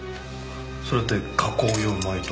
それって加工用米と？